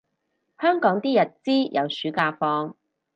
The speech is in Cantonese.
香港啲日資有暑假放